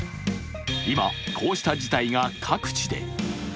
今、こうした事態が各地で。